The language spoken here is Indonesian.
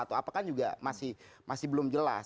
atau apakah juga masih belum jelas